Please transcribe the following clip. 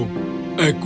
aku harus bisa berbicara